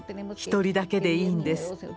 １人だけでいいんです。